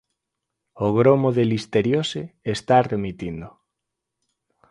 O gromo de listeriose está remitindo.